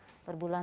ya per bulan